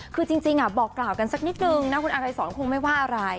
คือจริงบอกกล่าวกันสักนิดนึงนะคุณอากายสอนคงไม่ว่าอะไร